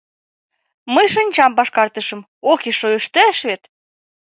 Мый шинчамат пашкартышым: ох и шойыштеш вет!